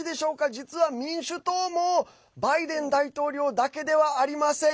実は民主党もバイデン大統領だけではありません。